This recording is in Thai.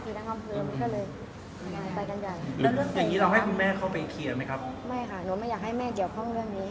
แล้วเรื่องเห็นกันอย่างนี้เราให้คุณแม่เข้าไปเคลียร์ไม่ครับไม่นุ๋นไม่อยากให้แม่เกี่ยวข้องเรื่องนี้